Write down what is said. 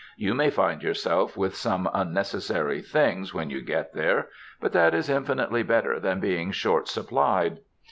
You may find yourself with some unnecessary things when you get there, but that is infinitely better than being short sup plied.